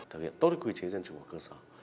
thực hiện tốt quy chế dân chủ ở cơ sở